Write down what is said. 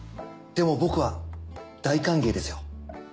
でも僕は大歓迎ですよ。